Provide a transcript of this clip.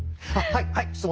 はい。